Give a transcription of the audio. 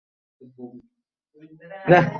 তবে একেবারে বিপদে না পড়লে এরা সচরাচর ওড়ে না।